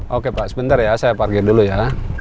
oke pa sebentar ya saya parkirin dulu ya